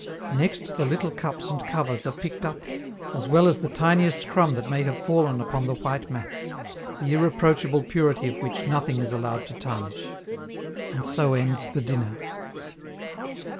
Next the little cups and covers are picked up, as well as the tiniest crumb that may have fallen upon the white mats, the irreproachable purity of which nothing is allowed to tarnish. And so ends the dinner.